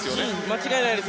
間違いないです。